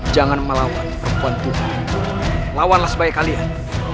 jangan melawan perempuan tuhan lawanlah sebaik kalian